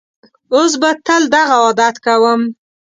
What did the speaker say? اوس به تل دغه عادت کوم.